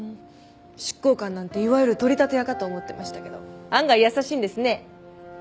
執行官なんていわゆる取り立て屋かと思ってましたけど案外優しいんですね。